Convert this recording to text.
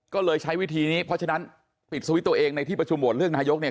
ก็เลยใช้วิธีนี้เพราะฉะนั้นปิดสวิตช์ตัวเองในที่ประชุมโหวตเลือกนายกเนี่ย